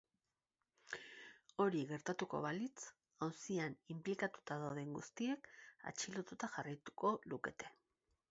Hori gertatuko balitz, auzian inplikatuta dauden guztiek atxilotuta jarraituko lukete.